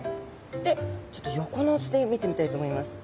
でちょっと横の図で見てみたいと思います。